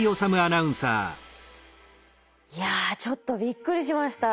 いやちょっとびっくりしました。